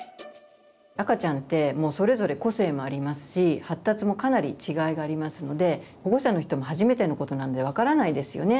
赤ちゃんってもうそれぞれ個性もありますし発達もかなり違いがありますので保護者の人も初めてのことなんで分からないですよね。